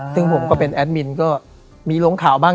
ซึ่งผมก็เป็นแอดมินก็มีลงข่าวบ้าง